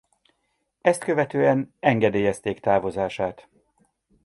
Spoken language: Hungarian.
Ezt követően engedélyezték távozását.